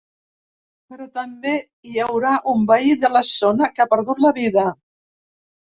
Però també hi hauria un veí de la zona que ha perdut la vida.